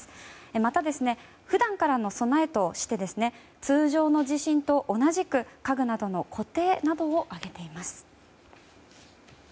また、普段からの備えとして通常の地震と同じく家具などの固定などを挙げています。